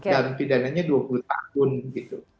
dan pidananya dua puluh tahun gitu